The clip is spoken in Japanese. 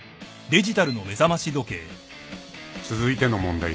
［続いての問題です］